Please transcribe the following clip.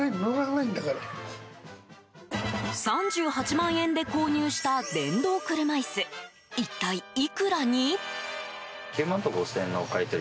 ３８万円で購入した電動車椅子、一体いくらに？